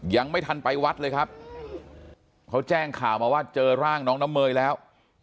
ยังไม่ทันไปวัดเลยครับเขาแจ้งข่าวมาว่าเจอร่างน้องน้ำเมยแล้ว